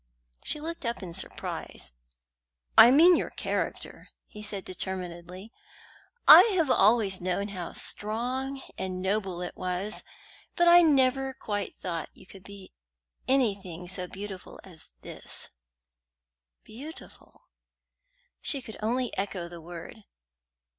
She looked up in surprise. "I mean your character," he said determinedly. "I have always known how strong and noble it was, but I never quite thought you could do anything so beautiful as this." "Beautiful!" She could only echo the word.